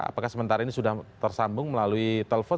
apakah sementara ini sudah tersambung melalui telepon